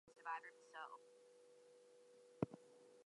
He died in Tunbridge Wells.